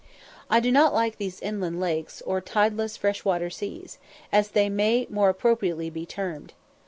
I do not like these inland lakes, or tideless fresh water seas, as they may more appropriately be termed.